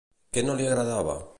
Què no li agradava?